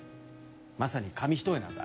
まさに紙一重なんだ。